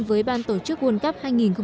với ban tổ chức world cup hai nghìn hai mươi